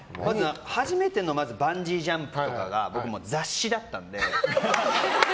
初めてのバンジージャンプとかが僕雑誌だったので。